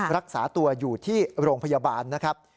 รักษาตัวอยู่ที่โรงพยาบาลนะครับ